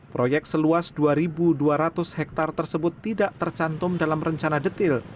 proyek seluas dua dua ratus hektare tersebut tidak tercantum dalam rencana detil